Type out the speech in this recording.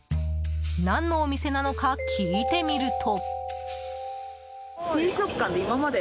何のお店なのか聞いてみると。